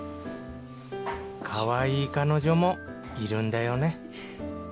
かわいい彼女もいるんだよね